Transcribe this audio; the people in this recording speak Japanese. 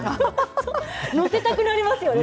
載せたくなりますよね